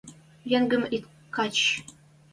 Йӓнгӹм ит кач!